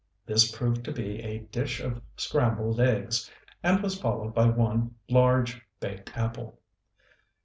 This proved to be a dish of scrambled eggs, and was followed by one large baked apple.